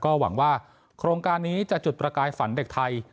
ก็หวังว่าโครงการนี้จะจุดประกายฝันเด็กไทย